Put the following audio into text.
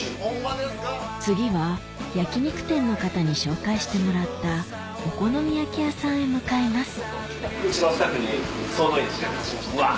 次は焼肉店の方に紹介してもらったお好み焼き屋さんへ向かいますうわ！